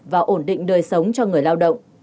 và ổn định đời sống cho người lao động